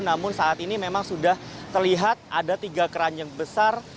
namun saat ini memang sudah terlihat ada tiga keranjang besar